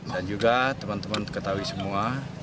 dan juga teman teman ketahui semua